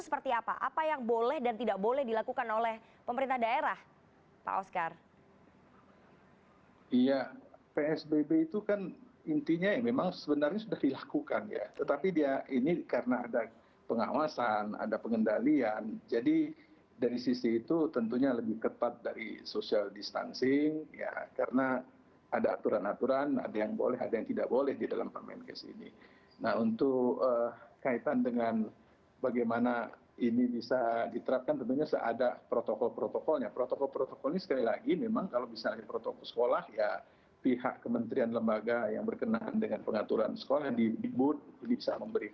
pembatasan sosial berskala besar